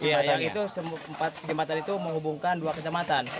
iya yang itu empat jembatan itu menghubungkan dua kecamatan